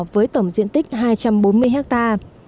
với tổng diện tích hai trăm bốn mươi hectare